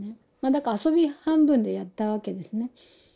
だから遊び半分でやったわけですね。